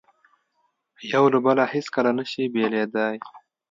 یو له بله هیڅکله نه شي بېلېدای.